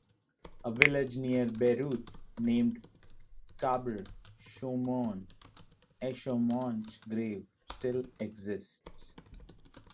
A village near Beirut named Qabr Shmoun, "Eshmoun's grave," still exists.